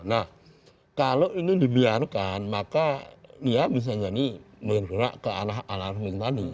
nah kalau ini dibiarkan maka dia bisa jadi menggerak ke arah alarm tadi